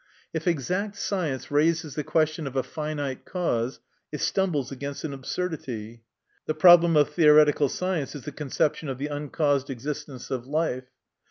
If exact science raises the question of a finite cause, it stumbles against an absurdity. The problem of theoret ical science is the conception of the uncaused existence of life.